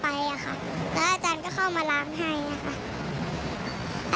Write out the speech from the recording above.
แล้วอาจารย์ก็เข้ามาล้างให้นะคะ